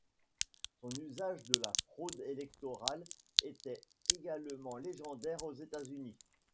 Son usage de la fraude électorale était également légendaire aux États-Unis.